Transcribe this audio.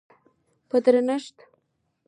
په درنښت،